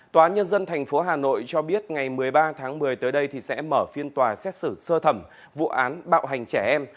tòa nhân dân tp hà nội cho biết ngày một mươi ba tháng một mươi tới đây sẽ mở phiên tòa xét xử sơ thẩm vụ án bạo hành trẻ em